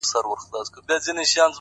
ياره وس دي نه رسي ښكلي خو سرزوري دي.!